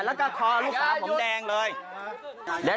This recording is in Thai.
แล้วก็คอลูกสาวผมแดงเลย